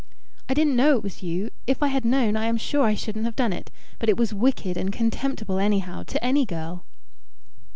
"I didn't know it was you. If I had known, I am sure I shouldn't have done it. But it was wicked and contemptible anyhow, to any girl."